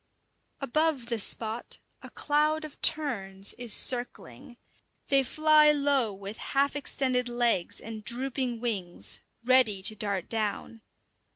Above the spot a cloud of terns is circling. They fly low with half extended legs and drooping wings, ready to dart down.